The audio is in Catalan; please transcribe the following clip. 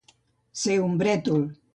Ser un brètol.